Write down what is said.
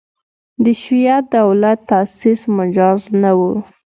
د شیعه دولت تاسیس مجاز نه وو.